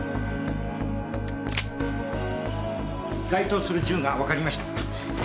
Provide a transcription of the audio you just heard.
該当する銃がわかりました。